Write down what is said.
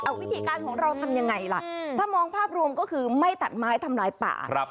วิธีการของเราทำยังไงล่ะถ้ามองภาพรวมก็คือไม่ตัดไม้ทำลายป่า